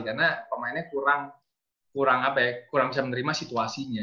karena pemainnya kurang bisa menerima situasinya